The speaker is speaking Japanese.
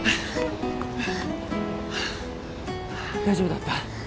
大丈夫だった？